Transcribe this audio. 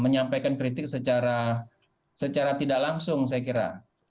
menyampaikan kritik secara tidak langsung saya kira